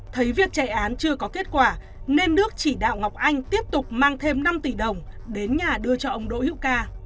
thấy việc chạy án chưa có kết quả nên đức chỉ đạo ngọc anh tiếp tục mang thêm năm tỷ đồng đến nhà đưa cho ông đỗ hữu ca